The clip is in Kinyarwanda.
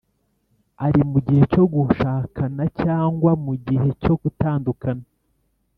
ari mu gihe cyo gushakana cyangwa mu gihe cyo gutandukana.